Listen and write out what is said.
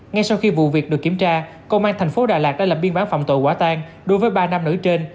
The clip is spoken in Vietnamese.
ngay sau khi vụ việc được kiểm tra công an tp đà lạt đã làm biên bán phạm tội quả tăng đối với ba nam nữ trên